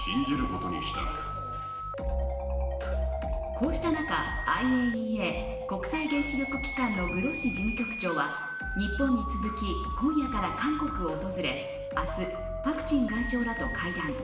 こうした中、ＩＡＥＡ＝国際原子力機関のグロッシ事務局長は日本に続き、今夜から韓国を訪れ、明日、パク・チン外相らと会談。